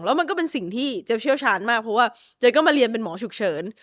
แล้วมันก็เป็นสิ่งที่เจ๊เชี่ยวชาญมากเพราะว่าเจ๊ก็มาเรียนเป็นหมอฉุกเฉิน